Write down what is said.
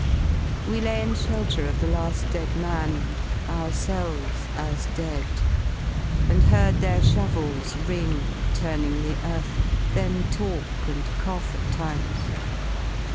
We lay in shelter of the laft dead man ^ Ourselves as dead^ and heard their shovels ring Turning the earth, then talk and cough at times.